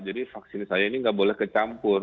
jadi vaksin saya ini tidak boleh tercampur